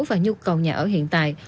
và nhu cầu nhà ở hiện tại